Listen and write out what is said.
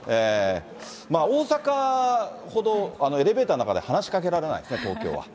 大阪ほどエレベーターの中で話しかけられないですね、東京は。